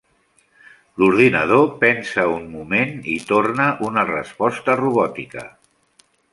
L'ordinador pensa un moment i torna una resposta robòtica.